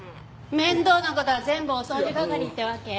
面倒な事は全部お掃除係ってわけ？